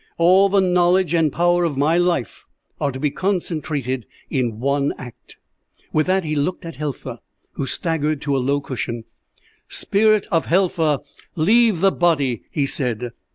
All the knowledge and power of my life are to be concentrated in one act.' "With that he looked at Helfa, who staggered to a low cushion. "'Spirit of Helfa, leave the body,' he said.